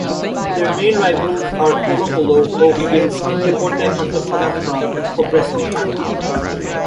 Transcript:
Their main rivals are Colo-Colo, O'Higgins, Deportes Antofagasta and Cobresal.